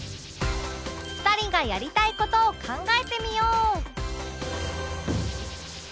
２人がやりたい事を考えてみよう